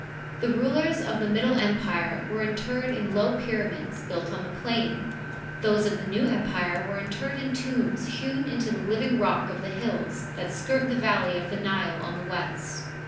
The rulers of the Middle Empire were interred in low pyramids built on the plain, those of the New Em pire were interred in tombs newn into the livine rock of the hills that skirt the valley of the Nile on the west.